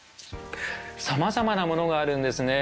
さまざまなものがあるんですね。